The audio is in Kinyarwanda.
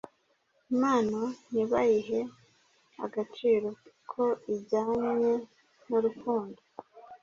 impano ntibayihe agaciro ko ijyanye n’urukundo